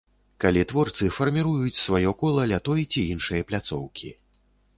Калі творцы фарміруюць сваё кола ля той ці іншай пляцоўкі.